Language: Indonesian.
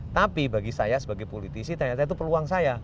tapi bagi saya sebagai politisi ternyata itu peluang saya